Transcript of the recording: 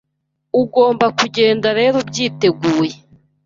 ugomba kugenda rero ubyiteguye.